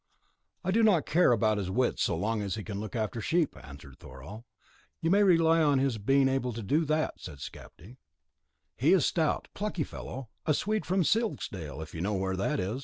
"I do not care about his wits so long as he can look after sheep," answered Thorhall. "You may rely on his being able to do that," said Skapti. "He is a stout, plucky fellow; a Swede from Sylgsdale, if you know where that is."